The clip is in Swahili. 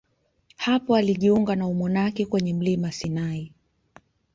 Hapo alijiunga na umonaki kwenye mlima Sinai.